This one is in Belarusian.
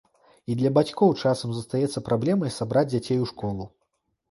І для бацькоў часам застаецца праблемай сабраць дзяцей у школу.